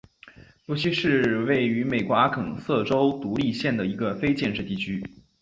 罗西是位于美国阿肯色州独立县的一个非建制地区。